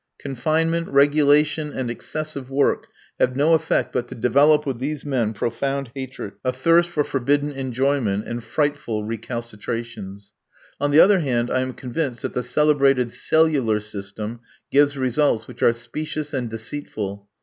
Confinement, regulation, and excessive work have no effect but to develop with these men profound hatred, a thirst for forbidden enjoyment, and frightful recalcitrations. On the other hand I am convinced that the celebrated cellular system gives results which are specious and deceitful.